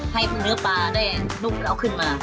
ให้เนื้อปลาได้นุ่มแล้วขึ้นมา